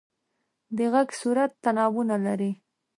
د غږ صورت تنابونه لري.